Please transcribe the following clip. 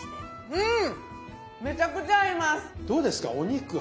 うん。